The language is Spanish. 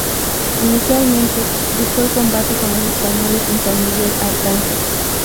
Inicialmente, buscó el combate con los españoles en San Miguel Arcángel.